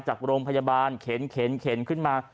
จากโรงพยาบาลเข็นขึ้นมา